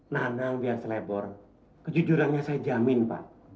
nanang biar selebor kejujurannya saya jamin pak